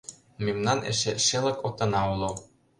Мемнан эше Шелык Отына уло.